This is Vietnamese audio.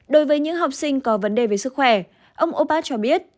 đối với những học sinh có vấn đề về sức khỏe ông opad cho biết